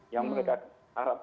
yang mereka harapkan